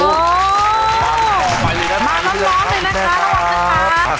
เหมือนร้อนล้อมเลยนะคะระวังเช้าค่ะ